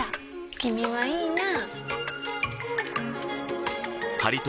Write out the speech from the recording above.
君はいいなぁ。